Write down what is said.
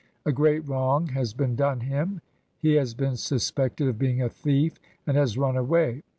A great wrong has been done him. He has been suspected of being a thief, and has run away.